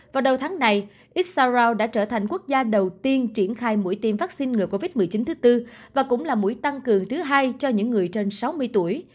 vào đầu tháng này issaro đã trở thành quốc gia đầu tiên triển khai mũi tiêm vaccine ngừa covid một mươi chín thứ tư và cũng là mũi tăng cường thứ hai cho những người trên sáu mươi tuổi